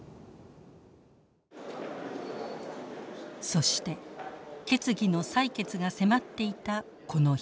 そして決議の採決が迫っていたこの日。